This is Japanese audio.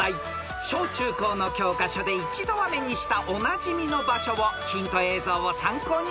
［小中高の教科書で一度は目にしたおなじみの場所をヒント映像を参考にお答えください］